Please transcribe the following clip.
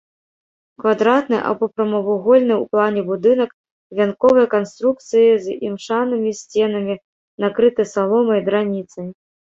Квадратны або прамавугольны ў плане будынак вянковай канструкцыі з імшанымі сценамі, накрыты саломай, драніцай.